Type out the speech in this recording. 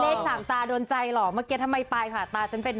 สามตาโดนใจเหรอเมื่อกี้ทำไมไปค่ะตาฉันเป็น